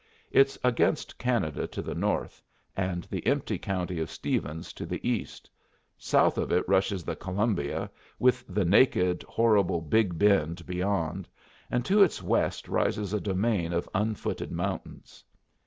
It's against Canada to the north, and the empty county of Stevens to the east; south of it rushes the Columbia, with the naked horrible Big Bend beyond, and to its west rises a domain of unfooted mountains.